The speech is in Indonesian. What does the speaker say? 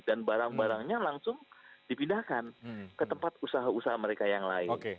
dan barang barangnya langsung dipindahkan ke tempat usaha usaha mereka yang lain